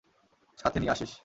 সাথে নিয়ে আসিস।